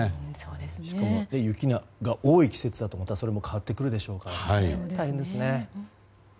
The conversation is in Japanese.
しかも雪が多い季節だとまたそれも変わってくるでしょうから。